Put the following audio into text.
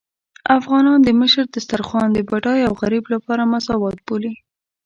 افغانان د مشر دسترخوان د بډای او غريب لپاره مساوات بولي.